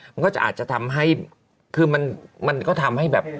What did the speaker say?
มันก็จะอาจจะทำให้คือมันก็ทำให้แบบ